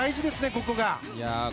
ここが。